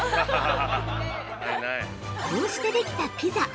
こうしてできたピザ